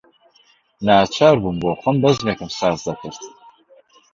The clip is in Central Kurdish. ناچار بووم بۆخۆم بەزمێکم ساز دەکرد